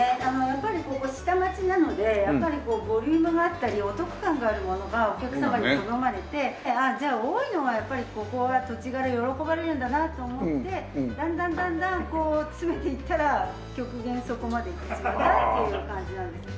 やっぱりここ下町なのでボリュームがあったりお得感があるものがお客様に好まれてじゃあ多いのがやっぱりここは土地柄喜ばれるんだなと思ってだんだんだんだん詰めていったら極限そこまでいってしまったっていう感じなんです。